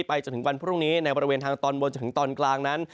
จนถึงวันพรุ่งนี้ในบริเวณทางตอนบนจนถึงตอนกลางนั้น